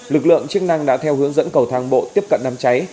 lực lượng chức năng đã theo hướng dẫn cầu thang bộ tiếp cận đám cháy